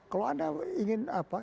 kalau anda ingin apa